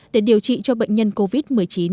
để điều trị cho bệnh nhân covid một mươi chín